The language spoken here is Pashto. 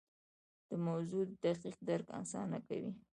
د موضوع دقیق درک اسانه کوي.